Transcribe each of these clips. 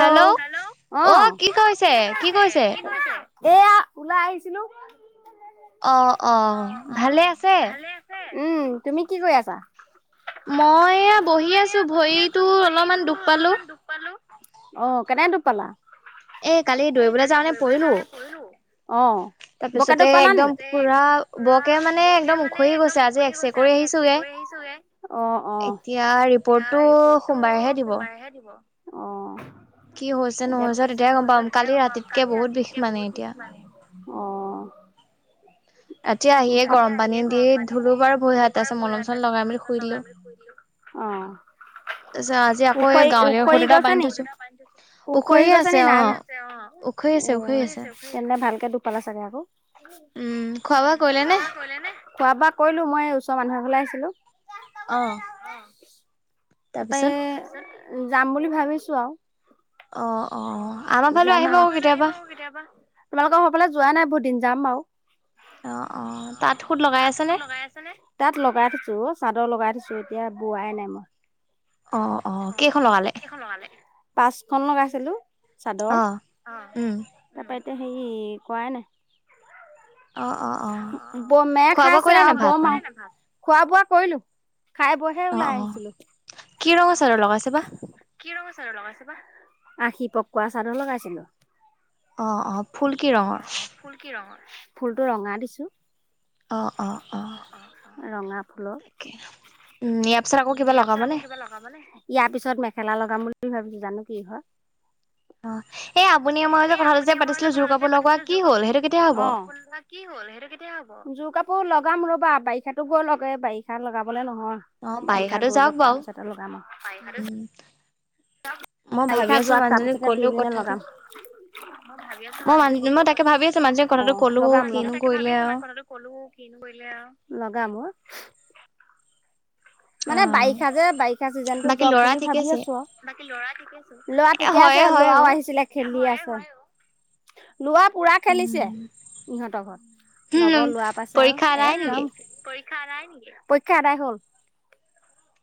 Hello hello অ অঁ, অঁ কি কৈছে কিৰিছে, কৈছে কি কৰিছে? এইয়া ওলাই আহিছিলো। অঁ অঁ, ভালেই আছে? উম' তুমি কি কৰি আছা? মই এয়া বহি আছো, ভৰিতো অলমান দুখ পালো। পালো, অঁ, কেনেকে দুপ পালা? [inaudible] এ দৌৰিবলৈ কালি দৌৰিবলে পৰিলো যাওঁতে পৰিলোঁ, অঁ। বকেটো তাৰপিছতে দুখ পালা নি? একদম পুৰা একদম পুৰা বৰকে মানে বকে একদম মানে উখহি গৈছে একদম আজি ওখৰি এক্সৰে গৈছে কৰি আজি এক্সে আহিছোগে কৰি আহিছো গে। অঁ অঁ, এতিয়া এতিয়া ৰিপৰ্টটো ৰিপোৰ্টটো সোমবাৰেহে দিব সোমাইহে দিব। কি হৈছে নহৈছ তেতিয়াহে গম পাম, কালি ৰাতিতকে বহুত বিষ মানে এতিয়া। অঁ' ৰাতি আহিয়ে আজিয়ে গৰম পানী আহিয়েই দি গৰম পানী ধুলো দি বাৰু ভৰি হাত ধূলো বাৰু তাৰপিছত ভৰী মলম হাত চলম তাপিছত লগাই মলম মেলি শুই চলম দিলো লগাই মেলি শুই দিলো। অঁ' তাৰপিছত আজি আকৌ এই গাঁৱলীয়া ঔষধ এটা নি? বান্ধি থৈছোঁ। উখৰি গৈছে নেকি নাই ন, উখৰি আছে উখৰি আছে অ' তেন্তে ভালকে দূখ পালা চাগে আকৌ। উম খোৱা বোৱা কৰিলে নে? খোৱা বোৱা কৰিলোঁ, মই এই ওচৰ মানুহ এঘলে আহিছিলো। অঁ' তাতে যাম বুলি ভাবিছো আৰু। অঁ অ‍ঁ' আমাৰ ফালেও আহিব ক কেতিয়াবা। কেতিয়াবা। তোমাৰলোকৰ ঘফালে যোৱা নাই বহুতদিন যাম বাৰু। অ অ অঁ, তাত সুত অঁ', লগাই আছে তাত নে? সুত লগাই আছে নে? তাত লগাই থৈছো অ' চাদৰ লগাই থৈছো, এতিয়া বোৱাই নাই মই। অ অ অঁ কেইখন অঁ লগালে কেইখন লগালি, পাঁচখ'ন লগাই ছিলো। চাদৰ, অ উম তাপা এতিয়া হেৰি কৰায়ে নাই। অ অ অ ব মে খোৱা বোৱা খাইছে কৰিলে আৰু নাই ব ভাত পানী? আৰুহ, খোৱা বোৱা কৰিলো। খাই বইহে অ ওলাই অ আহিছিলোঁ। কি ৰঙৰ চাদৰ লগাইছে বা কি ৰঙৰ চাদৰ লগাইছে বা? আশি পকোৱা চাদৰ লগাইছিলো। অঁ অঁ' ফুল কি ৰঙৰ? ফুল কি ৰঙৰ? ফুলটো ৰঙা দিছো। অ অ অ অঁ' অঁ' অঁ' ৰঙা ফুল। তাকে উম' ইয়াৰ পিছত আকৌ কিবা লগাব নে? ইয়াৰ পিছত মেখেলা লগাম বুলি ভাবিছো, জানো কি হয়? অঁ' এই আপুনিয়ে মই যে কথাটো যে পাতিছিলো যোৰ কাপোৰ লগোৱা কি হ'ল? সেইটো কেতিয়া হ'ব? অ কি হ'ল সেটো কেতিয়া হ'ব? জোৰ কাপোৰ লগাম ৰ'বা, বাৰিষাটো গৈ লক এ বাৰিষাত লগাবলে নহয়। অ বাৰিষা বাৰিষাতো গৈ যাওক লওঁক তাৰ বাৰু পাছতে লগাম আওঁ। বাৰিষাটো উম মই ভাবি বাৰিষা আছো যোৱাক, মানুহজনীক তাৰপিছতে কলো দুয়োজনীয়ে কথাটো লগাম। মই ভাবি আছোঁ মই মান মানুহজনী মই কতনো তাকে ভাবি আছো মানুহজনক গ'ল কথাটো অ' ক'লো লগাম কিনো লগাম তাকে কৰিলে ভাবি আছোঁ আৰু মান কলোঁ কিনো কৰিলে আৰু লগাম ঐ। মানে অ' বাৰিষা যে বাৰিষা চিজনতো বাকী যাওঁক ল'ৰা বুলি ঠিকে ভাবি আছে আছোঁ আৰু ল'ৰা ঠিকে আছে? ল'ৰা এ ঠিকে হয়ে আছে, হয় অ ল'ৰাও আহিছিলে, খেলি আছে। ল'ৰা পুৰা খেলিছে। উম ইহঁতৰ ঘৰত লগৰ ল'ৰা পাইছে পৰীক্ষা আৰু নাই নেকি একদম পৰীক্ষা আদায় নেকি? পৰীক্ষা আদায় হ'ল।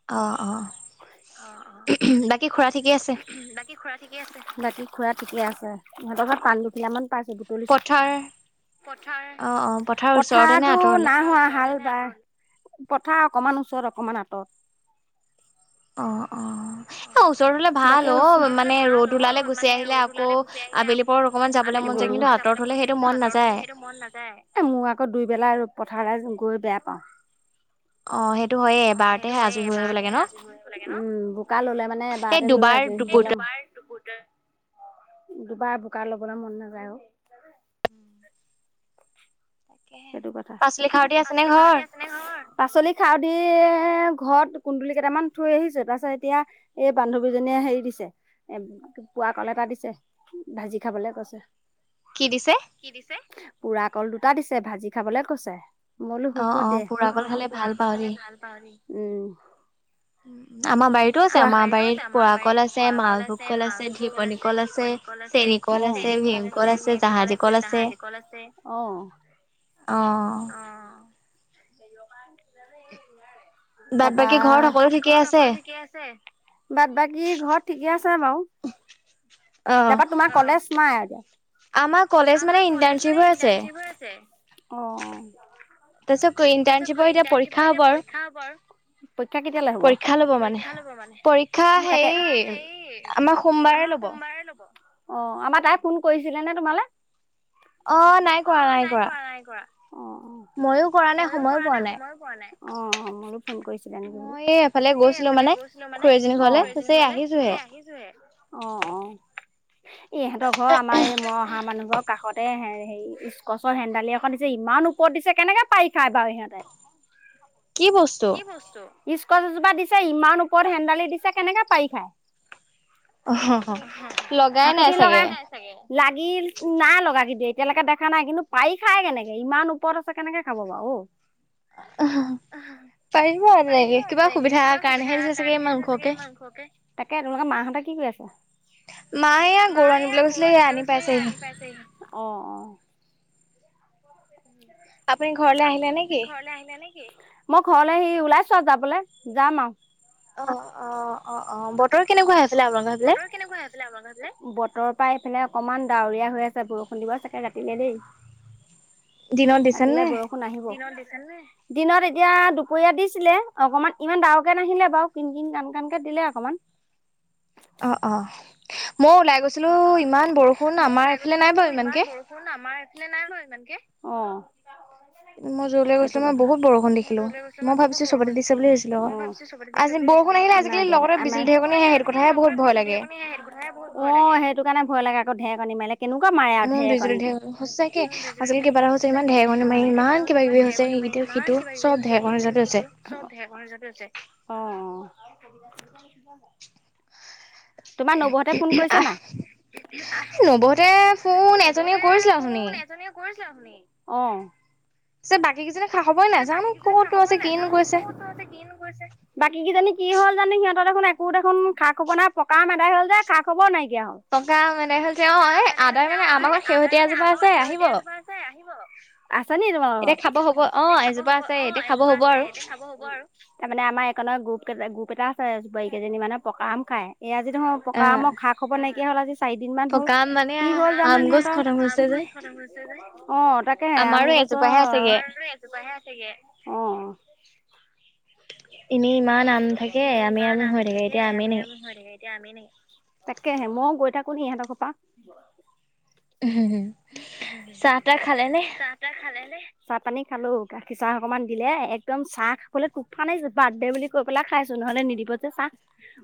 অ' অ' বাকী খুৰা ঠিকেই আছে? খুৰা ঠিকে আছে? বাকী খুৰা ঠিকে আছে অ' ইহঁতৰ ঘৰত পাণ দুখিলা মান পাইছোঁ। বুটলিছোঁ। পথাৰ পথৰ অ অ পথাৰৰ ওচৰতে নে পথাৰটো আঁতৰলে নাই হোৱা হাল বাই পথাৰ অকমান ওচৰত, অকমান আঁতৰত। অহ'অহ' এই ওচৰ হ'লে ভাল বৰকে ওচ অ' মানে ৰ'দ ওলালে গুছি আহিলে, আকৌ আবেলি পৰত অকণমান যাবলৈ আবেলি মন পৰত যায় কিন্তু অকণমান আঁতৰত যাবলৈ হলে মন যায়। সেইটো কিন্তু আঁতৰত নাযায় হ'লে সেইটো মন নাযায়। এই মোৰ আকৌ দুইবেলা আৰু পথাৰত গৈ বেয়া পাওঁ। অ সেইটো হয়ে অ' সেইটো এবাৰতেহে হয়য়ে আজৰি হৈ আহিব এবাৰতে লাগে ন আজৈয় হৈ আহিব লাগে ন, উম। বোকা ল'লে মানে এই এবাৰতে লৈ দুবাৰ আজৰি হ'ব দুবুত লাগে। এই দুবাৰ দুবাৰ বোকা ল'বলৈ মন নাযায় অ' তাকেহে, পাচলি খাৰধি আছে নে ঘৰত? আছেনে ঘৰত? পাচলি খাৱদি ঘৰত কুন্দুলি কেইটামান থৈ আহিছোঁ। তাৰপাছত এতিয়া এই বান্ধৱীজনীয়ে হেৰি দিছে, পুৱা কল এটা দিছে। ভাজি খাবলে কৈছে। কি দিছে? কি দিছে? পুৰা কল দুটা দিছে, ভাজি খাবলে কৈছে। মই বোলোঁ অ', হ'ব দে। পুৰা অ' কল অ' খালে ভাল পুৰা কল পাওঁ দেই। খালে ভাল বাৰু দেই উম, উম। উম। আমাৰ বাৰীতো আছে। আমাৰ বাৰীত পুৰা কল আছে, মালভোগ কল আছে, ধিমনি কল আছে। কল আছে, চেনী কল আছে, চেনি কল ভীমকল আছে, ভীম কল জাহাজী আছে অ' জাহাজী কল আছে অ'। অ'। হেৰিয়াৰ পৰা আহিছেনে, এই ইয়াৰে বাদ তাৰপা, বাকী ঘৰত সকলো বাদবাকি ঠিকেই ঘৰত আছে? সকলো ঠিকে আছে? বাদবাকী ঘৰত ঠিকে আছে বাৰু। অ'। তাৰপা তোমাৰ কলেজ নাই আৰু এতিয়া। আমাৰ কলেজ মানে ইন্টাৰ্ণশ্বিপ হৈ আছে। ছে তাৰপিছত ইণ্টাৰ্ণশ্বিপৰ এতিয়া পৰীক্ষা হ'ব আৰু তাৰ পৰ পৰীক্ষা কেতিয়ালে হ'ব? পৰীক্ষা ল'ব মানে। পৰীক্ষা ল'ব মানে, পৰীক্ষা হেৰি তাকে পৰীক্ষা হেই আমাৰ সোমবাৰে আমাৰ ল'ব। সোমবাৰে ল'ব। অ' আমাৰ তাই ফোন কৰিছিলে নে তোমালে? অ' নাই কৰা, নাই কৰা। কৰা অ'। অ' ময়ো কৰা নাই মইয়ো সময়ো কৰা পোৱা নাই, সময়ো পোৱা নাই। অ' মই বোলোঁ ফোন কৰিছিলে নেকি বোলো? মই এফালে মই এই গৈছিলো এফালে মানে গৈছিলোঁ খুৰী মানে এজনীৰ ঘৰলে লগৰ তাৰপিছত এজনীৰ ঘৰলে তাৰ পাচত আহিছোহে। এই আহিছোহে। ইহঁতৰ ঘৰ আমাৰ এই মই অহা মানুহ ঘৰৰ কাষতে হে হেৰী ইচকচৰ হেন্দালি এখন দিছৈ। যে ইমান ওপৰত দিছে কেনেকে পাৰি খায় বাৰু সিহঁতে কি বস্তু? কি বস্তু? ইস্কছ এজোপা দিছে, ইমান ওপৰত হেন্দালি দিছে কেনেকে পাৰি খায়। [unintelligible] লগাই নাই হাকুটি চাগে। লগাই। চাগে। লাগিল নাই লগা কিন্তু এতিয়ালৈকে দেখা নাই কিন্তু পাৰি খায় কেনেকে? ইমান ওপৰত আছে কেনেকে খাব বাৰু অ। [unintelligible] পাৰিব আৰু তেনেকে কিবা সুবিধা কাৰণেহে দিছে চাগে ইমান ওখ কে। তাকে তোমালোকৰ মাহঁতে কি কৰি আছে? মায়ে এয়া গৰু আনিবলৈ গৈছিলে এয়া আনি পাইছেহি। [unintelligible] অঁ-অঁ। আপুনি ঘৰলে [unintelligible] আহিলে আপুনি নেকি? ঘৰলে আহিলে নে কি? [inaudible] মই ঘৰলে আহি ওলাইছোঁ আৰু যাবলে যাম আৰু। অঁ-অঁ-অঁ-অঁ! বতৰ কেনেকুৱা সেইফালে আপোনালোকৰ সেইফালে? সেইফালে আপোনালোকৰ সেইফালে। বতৰ পাই এইফালে অকমান ডাৱৰীয়া হৈ আছে বৰষুণ দিব চাগে ৰাতিলে দেই। দিনত দিছে ৰাতিলে নে? বৰষুণ আহিব। দিনত দিছে নে? দিনত এতিয়া দুপৰীয়া দিছিলে অকমান ইমান ডাঙৰ কে নাহিলে বাৰু কিন-কিন, কান-কানকে দিলে আৰু। অকমান। [unintelligible] অঁ-অঁ! মইও ওলাই গৈছিলো ইমান বৰষুণ আমাৰ এইফালে নাই বাৰু ইমানকে। বৰষুণ আমাৰ এইফালে নাই বাৰু ইমানকে। অঁ! মই যৰলৈ গৈছিলো মই বহুত বৰষুণ দেখিলোঁ। মই ভাবিছো চবতে দিছে বুলি ভাবিছিলো আক'। দিছে বুলি ভাবিছিলো আক'। নাই দিয়া, নাই আমাৰ [unintelligible] বিজুলী এই বৰষুণ ঢেৰেকণি আহে আহিলে সেইটো আজিকাল কথাহে বহুত লগতে ভয় বিজুলী লাগে। ধেৰেকণিও আহে আকৌ। [unintelligible] ভয় লাগে। অঁ! সেইটো কাৰণে ভয় লাগে আকৌ ধেৰেকণি মাৰিলে। কেনেকুৱা মাৰে আৰু মই বিজুলী ঢেৰেকণীটো ঢেৰেকণি সঁচাকে আজিকালি কিবা এটা হৈছে ইমান অ ঢেৰেকণি মাৰি ইমান কিবাকিবি হৈছে সেইকেইটিও। সিটো চব ঢেৰেকণি য'ত হৈছে। অঁ ঢেৰেকণি য'ত হৈছে। অঁ-অঁ! তোমাৰ নবৌহঁতে ফোন [unintelligible] কৰিছে আহ নাই নবৌহঁতে ফোন এজনীয়ে কৰিছিলে অথনি। এজনীয়ে কৰিছিলে অথনি। অঁ! পিছে বাকী কেইজনী খা-খবৰে নাই। জানো ক'তনো আছে কিনো কৰিছে? ক'তনো আছে কিনো কৰিছে? বাকী কেইজনী কি হ'ল জানো সিহঁতৰ দেখোন একো দেখোন খবৰ নাই পকা আম আদাই হ'ল যে খা-খবৰ নাইকিয়া হ'ল। ককা মেদাই হতে অ পকা এ আম আদাই হ'ল যে। মানে অঁ আমাৰ এ ঘৰত আদাই শেহতীয়া মানে এজোপা আমাৰ আছে ঘৰত আহিব শেহতীয়া এজোপা আছে আহিব। আছে নি তোমালোকৰ এতিয়া খাব হ'ব ঘৰত? অ এতিয়া খাব এজোপা হ'ব। আছে এতিয়া অ‍ঁ খাব এজোপা হ'ব আছে আৰু এতিয়া খাব হ'ব আৰু। তাৰমানে আমাৰ একনৰ গ্ৰুপকেইটা গ্ৰুপ এটা আছে বোৱাৰী কেইজনী মানৰ পকা আম খাই। এইয়া যদি মই পকা অ আমৰ খা-খবৰ নাইকিয়া হ'ল আজি চ চাৰি দিন মান হ'ল। পকা আম মানে কি হ'ল আম জানো গছ সিহঁতৰ? খতম আম হৈছে যে গছ খতম হৈছে যে। অঁ তাক তাকে আম আমাৰো গছৰ। এজোপাহে আছেগে আমাৰো সেই এজোপা হে আছে গে। অঁ! এনেই ইমান আম থাকে আমেই আম হৈ থাকে, এতিয়া আমেই নাই। এতিয়া আমেই নাই। তাকেহে ময়ো গৈ থাকো নি ইহঁতৰ ঘৰপা। হুম-হুম! চাহ-তাহ খালে নে? চাহ খালে নে? চাহ পানী খালোঁ। গাখীৰ চাহ অকমান দিলে, একদম চাহ খাবলে তুফান আহিছো বাৰ্থডে বুলি কৈ পেলাই খাইছো নহ'লে নিদিব যে চাহ।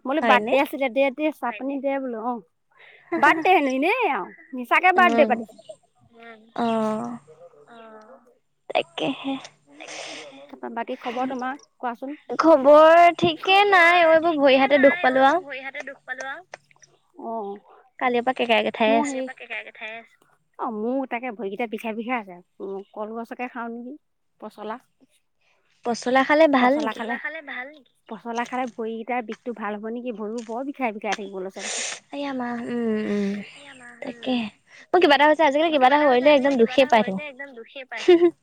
বোলো হয়নে? বাৰ্থডে আছিলে দে-দে চাহপানী দে বোলো। অঁ! বাৰ্থডে হেনো এনেই আৰু। মিচাকে বাৰ্থডে পাতিছোঁ। [inaudible] অ তাকেহে। তাৰপা বাকী খবৰ তোমাৰ কোৱাচোন খবৰ ঠিকে নাই অ এইবোৰ ভৰি-হাত- তে দুখ পালো আও- অঁ' কালিৰ পা কেকাই কেঠায়ে আছো। কেকায় কেঠায়ে আছো। অঁ, মোৰ তাকে ভৰিগিটা বিখায় বিখায় আছে, উম' কলগছকে খাওঁ নেকি পচলা। পচলা খালে ভাল পচলা নিকি? খালে ভাল। পচলা খালে ভৰিগিতাৰ বিষতো ভাল হব নিকি, ভৰিবোৰ বৰ বিষ- বিখাই বিখাই থাকি- আয়া মা উম উম তাকেহে, মোৰ কিবা এটা হৈছে আজি- মোৰ কিবা এটা হৈছে আজিকালি কিবা এটা হৈছে একদম দুখেই পায় থাকো।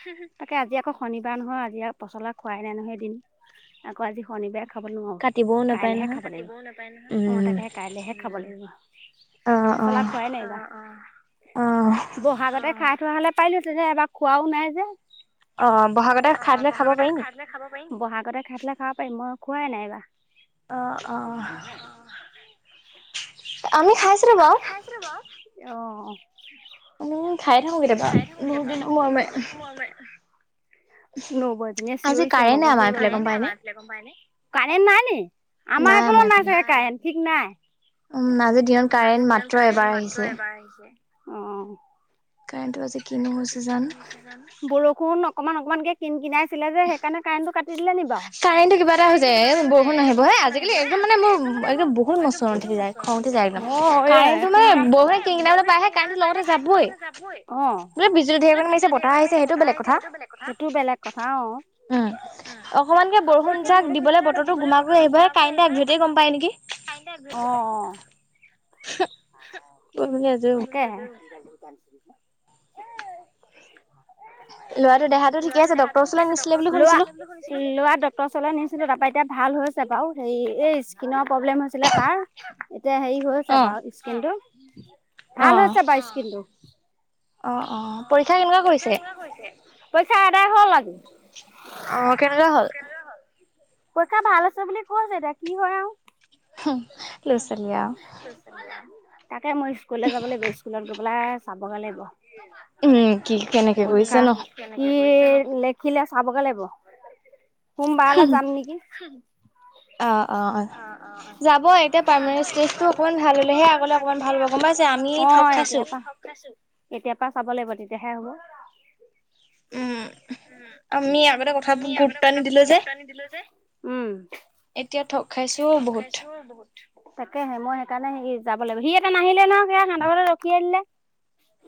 হুম হুম' তাকে আজি আকৌ শনিবাৰ নহয় আজি পচলা খুৱাই নাই নহয় এদিনো আকৌ আজি শনিবাৰে- খাব নোৱাৰো, কাটিবও নাপায় কাইলেহে নহয়। খাব লাগিব অঁ উম তাকে কাইলেহে খাব অ লাগিব। অ পচলা খুৱাই নাই এইবাৰ। অ ব'হাগতে খাই থোৱা হ'লে পাইলো হেতেন, এবাৰ খোৱাও নাই যে। অঁ বহাগতে খাই থলে খাব পাৰি নি? বহাগতে খাই থলে খাব পাৰি মই খোৱাই নাই এইবা। অঁ অঁ আমি খাইছিলো বাৰু। ছিলো বাও। অঁ' আমিও খাই থাকো কেতিয়াবা বহুত দিনৰ মোৰে মোৰে। নবৌ এজনিয়ে আজি চিঞৰিছে কাৰেণ্ট মই নাই আমাৰ কৈছো এইফালে গম পাই নে? ৰবা। কাৰেণ্ট নাই নি? আমাৰ সেইফালেও নাই চাগে কাৰেণ্ট ঠিক নাই। উম, আজিৰ দিনত কাৰেণ্ট মাত্ৰ এবাৰ আহিছে। এবাৰ আহিছে। অঁ, কাৰেণ্টটো আজি- কিনো হৈছে জানো বৰষুণ অকমান অকমানকে কিন কিনাইছিলে যে সেইকাৰণে কাৰেণ্টো কাট- তি দিলেনি বাৰু? কাৰেণ্টো কিবা এটা হৈ যায় এ, বৰষুণ আহিব হে আজিকালি একদম মানে মোৰ একদম বহুত মচন উঠি যায়। খঙ ওঠি যাই একদম, অ', এ কাৰেণ্টটো মানে কিনকা বৰষুণে কিন কিনাব পাইহে কাৰেণ্টটো লগতে যাবই। অ'। বোলে বিজুলি ধেৰকণি মাৰিছে বতাহ আহিছে সেইটোও বেলেগ কথা। সেইটোও বেলেগ কথা অঁ। উম, অকমানকে বৰষুণ যাক দিবলে বতৰটো গোমা কৰি আহিব হে কাৰেণ্টোৱে আগ ধৰিতে গম পায় নেকি? অঁ অঁ। [unintelligible] তাকেহে। ল'ৰাটোৰ দেহাটো ঠিকে লৰাটো আছে দেহাটো ডক্টৰৰ ঠিকে ওচৰলৈ আছে নিছিলে ডক্টৰ বুলি ওচৰলে শুনিছিলো নিছে বুলি শুনিছিলো। ল'ৰা ডক্টৰ ওচৰলে নিছিলো তাপা এতিয়া ভাল হৈছে বাৰু হেৰি এই স্কিনৰ প্ৰব্লেম হৈছি- ছিলে তাৰ এতিয়া হেৰি অ হৈছে অ বাৰু স্কিনটো ভাল হৈছে বাৰু স্কিনটো। অঁ অঁ পৰীক্ষা কেনেকুৱা কৰিছে? কৰিছে? পৰিক্ষা এদায় হল আজি। অ, কেনেকুৱা হ'ল? পৰীক্ষা ভাল হৈছে বুলি কৈছে এতিয়া কি হয় আৰু। উম লৰা ছোৱালী আৰু তাকে মই স্কুললে যাব লাগিব স্কুলত গৈ পেলাই চাবগে লাগিব উম, কি কেনেকে কৰিছে পৰীক্ষা ন? কি লিখিলে চাবগে লাগিব। সোমবাৰেলৈ যাম নেকি। অ অ অ যাব এতিয়া প্ৰাইমেৰী ষ্টেজটো অকমান ভাল হলেহে আগলে অকমান ভাল হ'ব। গম পাইছে আমি অ ঠগ খাইছো। এতিয়াপা এতিয়াৰ পৰা চাব লাগিব তেতিয়াহে হ'ব। উম আমি উম, আগতে কথাবোৰ আমি আগতে গুৰুত্ব কথাবোৰ নিদিলো যে গুৰুত্ব নিদিলো যে। উম। এতিয়া ঠগ খাইছো বহুত বহুত তাকেহে মই সেইকাৰণে সি যাব লাগিব, সি এটা নাহিলে সিহঁতৰ ঘৰতে ৰখিয়ে দিলে।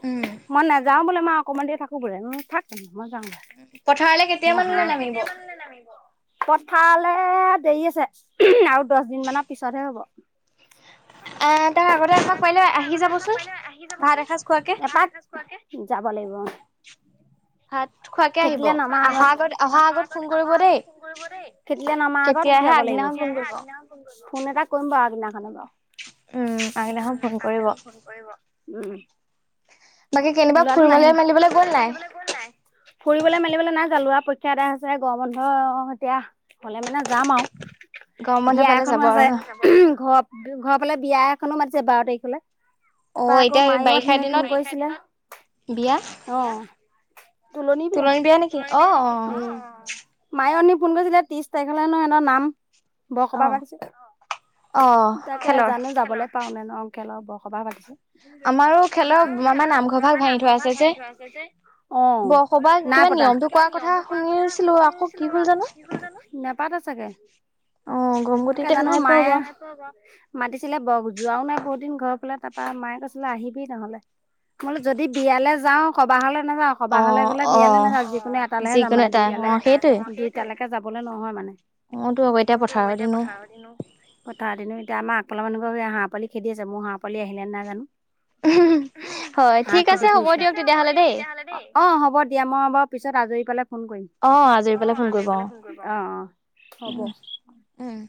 উম মই নাযাওঁ বোলে মই অকমান দেৰি থাকো বোলে থাক মই যাওঁ। পথাৰলে কেতিয়ামানলে নামিব? পথাৰলে দেৰি আছে আৰু দহ দিন মানৰ পিছতহে হ'ব। আহ তাৰ আগতে আমাক পাৰিলে আহি যাবচোন ভাত এসাঁজ খোৱাকে। এপাক যাব লাগিব উম। ভাত খোৱাকে আহিব, আহা আগত অহা আগত ফোন কৰিব দেই। খেতিলে নমাৰ কেতিয়া আগত আহে যাব আগদিনাখন ফোন কৰিব। লাগিব, ফোন এটা কৰিম বাৰু আগদিনাখনে বাৰু। উম আগদিনাখন ফোন কৰিব। উম বাকী কেনিবা ল'ৰাটো নাহিল। ফুুৰবলৈ মেলিবলৈ গ'ল নাই? ফুৰিবলৈ মেলিবলৈ নাই নাইযোৱা, লৰা পৰীক্ষা আদায় হৈছেহে গৰ বন্ধ এতিয়া হলে মানে যাম গৰম আৰু বন্ধ বিয়া পালে যাব এখনো আৰু আছে। ন? ঘৰ ঘৰৰ ফালে বিয়া এখনো মাতিছে বাৰ তাৰিখলৈ। অ তাৰপৰা এতিয়া আকৌ মায়েও বাৰিষা অথনি দিনত ফোন কৰিছিলে, বিয়া অ। তুলনি বিয়া। তুলনী নেকি তুলনি অ বিয়া অ নেকি? উম। মাই অথনি ফোন কৰিছিলে ত্ৰিশ তাৰিখলৈ হেনো সিহঁতৰ নাম বৰ অ সবাহ পাতিছে অ তাকে খেলৰ জানো যাবলৈ পাওঁ নে নোৱাৰো খেলৰ বৰসবাহ পাতিছে। আমাৰো খেলৰ আমাৰ খেলৰ নামঘৰ ভাগ আমাৰ ভাঙি নামঘৰ থোৱা ভাগ আছে যে ভাঙি থোৱা আছে যে। অ। বৰসবাহ কিবা নাইপতা। নিয়মটো কিবা কোৱাৰ কথা নিয়মটো কৰাৰ কথা শুনিছিলো আকৌ কি শুনিছিলো হল আকৌ জানো কি হল জানো? নেপাতে চাগে। অ তাকে গমগতিতে জানো নাই পোৱা মায়ে বাৰু মাতিছিলে যোৱাও নাই বহুত দিন ঘৰ ফালে তাৰপৰা মায়ে কৈছিলে আহিবি নহ'লে। মই বোলো যদি বিয়ালে যাওঁ সবাহ হলে নাযাওঁ। অ সবাহলে গ'লে অ নাযায় যিকোনো এটালৈহে যিকোনো মানে, এটা অ দুইটালৈ সেইটোৱে দুইটালৈকে যাবলৈ নহয় মানে। অ তো আকৌ এতিয়া পথাৰৰ দিনো। পথাৰৰ দিনো, এতিম এতিয়া আমাৰ আগ ফালৰ মানুহঘৰে হাঁহ পোৱালি খেদি আছে, মোৰ হাঁহ পোৱালি আহিলে নে নাই জানো। হয় ঠিক হাঁহক খেদি আছে হ'ব ফুৰিছে। ঠিক দিয়ক আছে হ'ব দিয়ক তেতিয়াহলে দেই। অঁ হব দিয়া মই বাৰু পিছত আজৰি পালে ফোন কৰিম। অ আজৰি অঁ পেলাই ফোন আজৰি কৰিব অ পালে ফোন কৰিব। অ অ হ'ব। উম উম।